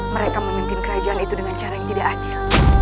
mereka memimpin kerajaan itu dengan cara yang tidak adil